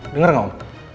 dengar gak om